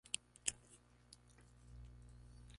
La serie está basada en la saga de películas de "Las Leyendas".